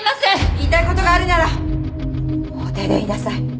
言いたい事があるなら法廷で言いなさい。